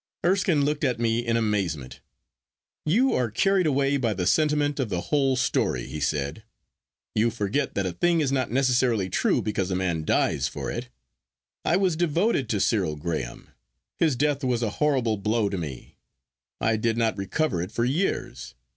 Erskine looked at me in amazement. 'You are carried away by the sentiment of the whole story,' he said. 'You forget that a thing is not necessarily true because a man dies for it. I was devoted to Cyril Graham. His death was a horrible blow to me. I did not recover it for years.